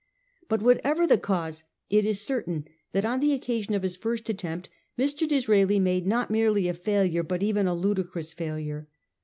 But whatever the cause, it is certain that on the occasion of his first attempt Mr. Disraeli made not merely a failure, but even a ludicrous failure.